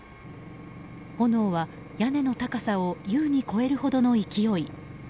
炎は屋根の高さを優に超えるほどの勢い。